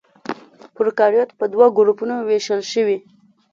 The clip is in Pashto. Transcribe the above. پروکاريوت په دوه ګروپونو وېشل شوي.